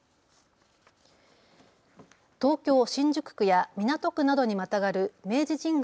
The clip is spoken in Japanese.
東京新宿区や港区などにまたがる明治神宮